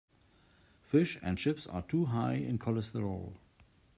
Fish and chips are too high in cholesterol.